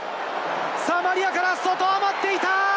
マリアから外、待っていた！